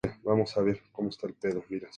El sistema inicial de competición se mantuvo.